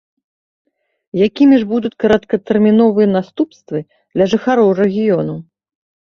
Якімі ж будуць кароткатэрміновыя наступствы для жыхароў рэгіёну?